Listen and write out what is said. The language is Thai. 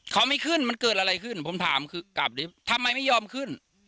เขาไม่ขึ้นมันเกิดอะไรขึ้นผมถามคือกลับดิทำไมไม่ยอมขึ้น